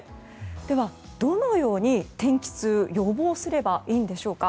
では、どのように天気痛を予防すればいいんでしょうか。